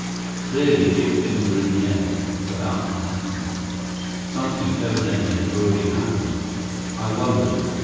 Clearly, big things were in the air, about to happen. Something, evidently, had already happened. I wondered....